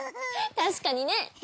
確かにね！